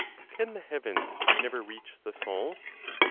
Can the heavens never reach the Soul?